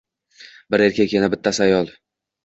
Biri erkak, yana bittasi ayol.